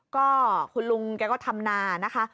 ก็คุณลุงแกก็ทำนานะคะ